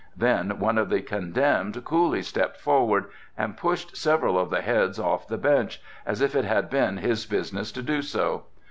Then one of the condemned coolly stepped forward and pushed several of the heads off the bench, as if it had been his business to do so.